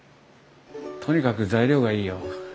とにかく材料がいいよ。